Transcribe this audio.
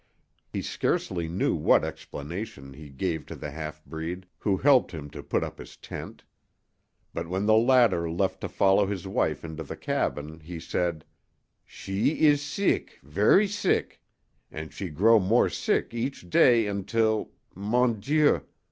He scarcely knew what explanation he gave to the half breed, who helped him to put up his tent. But when the latter left to follow his wife into the cabin he said: "She ess seek, ver' seek. An' she grow more seek each day until mon Dieu!